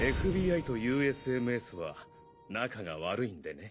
ＦＢＩとＵＳＭＳは仲が悪いんでね。